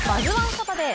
サタデー。